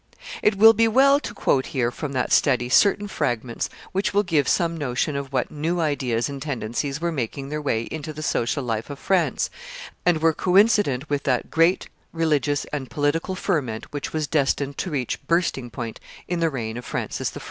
It will be well to quote here from that Study certain fragments which will give some notion of what new ideas and tendencies were making their way into the social life of France, and were coincident with that great religious and political ferment which was destined to reach bursting point in the reign of Francis I.